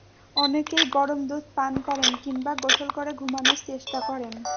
অনেকেই গরম দুধ পান করেন কিংবা গোসল করে ঘুমানোর চেষ্টা করেন।